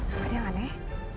kamu ada yang aneh